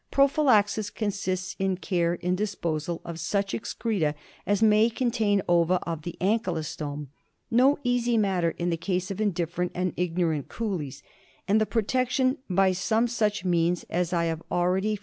^Prophylaxis consists in care in disposal of such excreta as may contain ova of the ankylostome — no easy matter in the case of indifferent and ignorant coolies — and the protection, by some such means as I have already DIAGNOSIS AND TREATMENT.